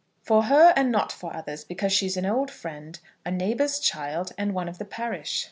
"For her and not for others, because she is an old friend, a neighbour's child, and one of the parish."